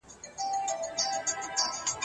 کمونيسټ د خپل وخت يو رښتينی سياستوال و.